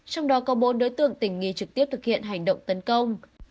trong đó có bốn đối tượng tỉnh nghi trực tiếp thực hiện hành động tấn công